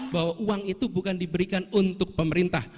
bahwa uang itu bukan diberikan untuk pemerintah